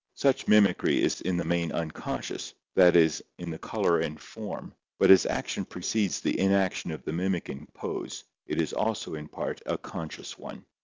Such mimicry is in the main unconscious, that is, in the color and form, but as action precedes the inaction of the mimicking pose it is also in part a conscious one.